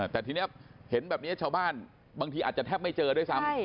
แต่ทีนี้เห็นแบบนี้ชาวบ้านบางทีอาจจะแทบไม่เจอด้วยซ้ำ